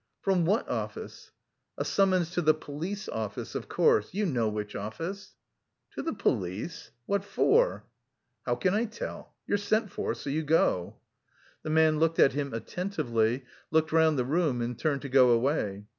"From what office?" "A summons to the police office, of course. You know which office." "To the police?... What for?..." "How can I tell? You're sent for, so you go." The man looked at him attentively, looked round the room and turned to go away.